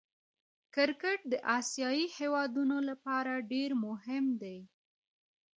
کرکټ د آسيايي هېوادو له پاره ډېر مهم دئ.